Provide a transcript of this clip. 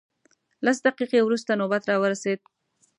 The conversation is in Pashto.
لس دقیقې وروسته نوبت راورسېد.